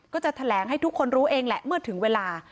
ก็จะแถลงให้ทุกคนรู้เองแหละเมื่อถึงเวลา